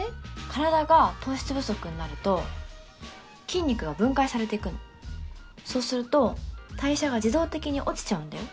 体が糖質不足になると筋肉が分解されていくのそうすると代謝が自動的に落ちちゃうんだよ